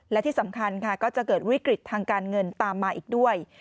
และที่สำคัญค่ะก็จะเกิดวิกฤตทางการเงินตามมาอีกด้วย